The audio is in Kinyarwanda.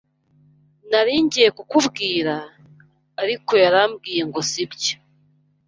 Nari ngiye kukubwira, ariko yarambwiye ngo sibyo.